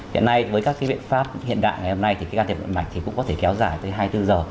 hiện nay với các cái bệnh pháp hiện đại ngày hôm nay thì cái can thiệp đổi mạch thì cũng có thể kéo dài tới hai mươi bốn giờ